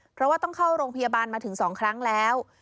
เพราะว่าต้องเข้าโรงพยาบาลมาถึง๒ครั้งแล้ว